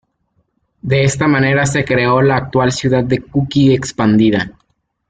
De esta manera se creó la actual ciudad de Kuki expandida.